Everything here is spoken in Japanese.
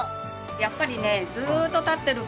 やっぱりねそう。